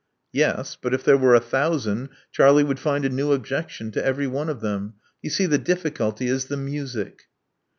Yes; but if there were a thousand, Charlie would find a new objection to every one of them. You see the diflSculty is the music."